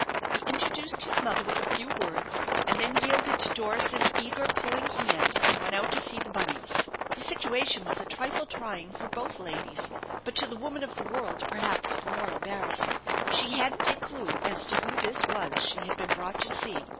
He intro duced his mother with a few words, and then yielded to Doris's eager, pulling hand and went out to see the bunnies. The situation was a trifle trying for both ladies, but to the woman of the world perhaps the more embarrassing. She hadn't a clew as to who this was she had been brought to see.